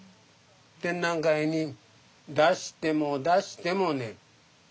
展覧会に出しても出してもね